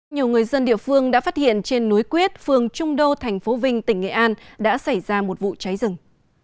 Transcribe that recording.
nhiều người dân địa phương đã phát hiện trên núi quyết phường trung đô thành phố vinh tỉnh nghệ an đã xảy ra một vụ cháy rừng